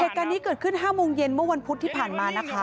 เหตุการณ์นี้เกิดขึ้น๕โมงเย็นเมื่อวันพุธที่ผ่านมานะคะ